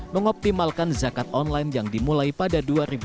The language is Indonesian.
mengoptimalkan zakat online yang dimulai pada dua ribu dua puluh